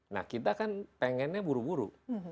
nah kita kan pengennya buru buru